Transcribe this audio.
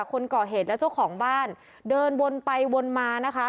คนก่อเหตุและเจ้าของบ้านเดินวนไปวนมานะคะ